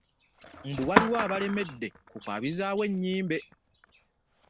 Mbu waliwo abalemedde ku kwabizaawo ennyimbe.